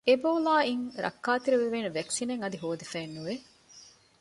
އެބޯލާއިން ރައްކާތެރިވެވޭނެ ވެކުސިނެއް އަދި ހޯދިފައެއް ނުވެ